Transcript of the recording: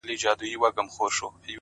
پوه انسان د اورېدو هنر زده وي،